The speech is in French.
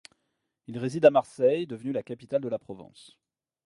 Il réside à Marseille devenue la capitale de la Provence.